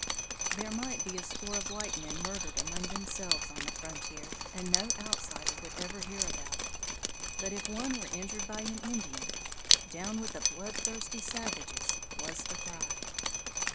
There might be a score of white men murdered among themselves on the frontier and no outsider would ever hear about it, but if one were injured by an Indian "Down with the bloodthirsty savages!" was the cry.